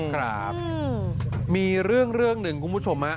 ครับมีเรื่องหนึ่งคุณผู้ชมฮะ